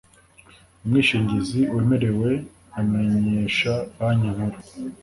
Umwishingizi wemerewe amenyesha Banki Nkuru